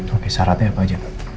oke syaratnya apa aja